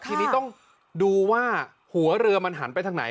ทีนี้ต้องดูว่าหัวเรือมันหันไปทางไหน